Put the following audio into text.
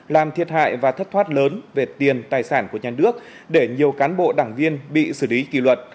làm thiệt hại và thất thoát lớn về tiền tài sản của nhà nước để nhiều cán bộ đảng viên bị xử lý kỳ luật